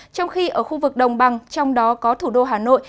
trong khi ở khu vực đồng bằng trong đó có thủ đô hà nội